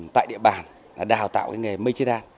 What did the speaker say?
tại địa bàn là đào tạo cái nghề mây che đan